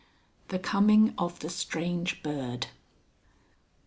THE COMING OF THE STRANGE BIRD.